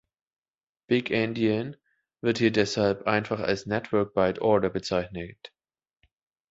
Big Endian wird hier deshalb einfach als "Network Byte Order" bezeichnet.